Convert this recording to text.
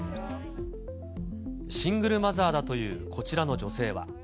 シングルマザーだというこちらの女性は。